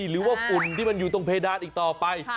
ฝุ่นที่มันอยู่ตรงเพดานอีกต่อไป